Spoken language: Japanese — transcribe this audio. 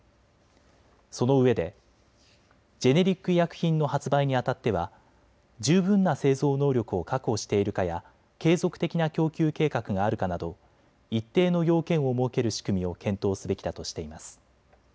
そのうえでジェネリック医薬品の発売にあたっては十分な製造能力を確保しているかや継続的な供給計画があるかなど一定の要件を設ける仕組みを検討すべきだとしています。